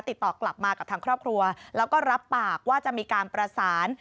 ติดต่อกลับมากับทางครอบครัวแล้วก็รับปากว่าจะมีการประสาน